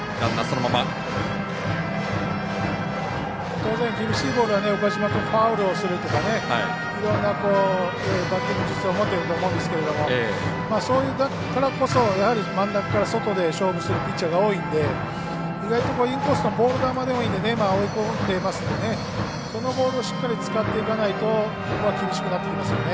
当然厳しいボールは岡島君ファウルをするとかいろんなバッティング術を持っていると思うんですけどそういうからこそやはり真ん中から外で勝負するピッチャーが多いんで、意外とインコースのボール球でもいいので今、追い込んでいるのでそのボールをしっかり使っていかないとここは厳しくなってきますよね。